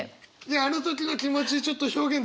あの時の気持ちちょっと表現できそう？